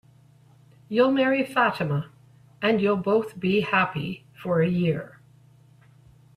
You'll marry Fatima, and you'll both be happy for a year.